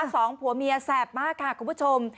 สองผัวเมียแสบมากค่ะคุณผู้ชม